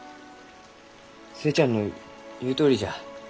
寿恵ちゃんの言うとおりじゃ。